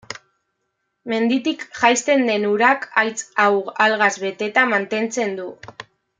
Menditik jaisten den urak haitz hau algaz beteta mantentzen du.